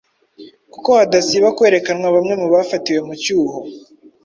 kuko hadasiba kwerekanwa bamwe mu bafatiwe mu cyuho